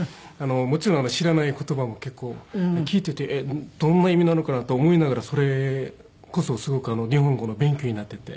もちろん知らない言葉も結構聞いててどんな意味なのかな？と思いながらそれこそすごく日本語の勉強になってて。